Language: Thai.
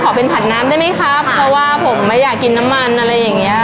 ขอเป็นผัดน้ำได้ไหมครับเพราะว่าผมไม่อยากกินน้ำมันอะไรอย่างเงี้ย